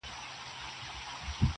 سخت به مي تر دې هم زنکدن نه وي -